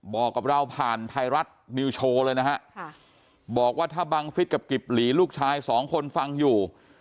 บอกกับเราผ่านไทยรัฐนิวโชว์เลยนะฮะบอกว่าถ้าบังฟิศกับกิบหลีลูกชายสองคนฟังอยู่